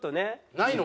ないの？